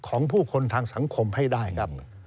ของผู้คนทางสังคมให้ได้ครับ